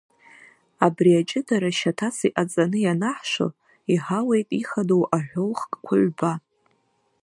Абри аҷыдара шьаҭас иҟаҵаны ианаҳшо, иҳауеит ихадоу аҳәоу хкқәа ҩба…